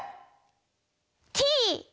Ｔ！